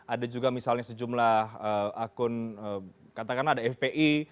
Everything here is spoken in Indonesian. ada juga misalnya sejumlah akun katakanlah ada fpi